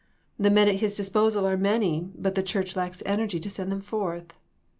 The men at His disposal are many, but the Church lacks energy to send them forth.